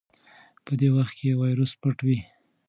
په دې وخت کې وایرس پټ وي.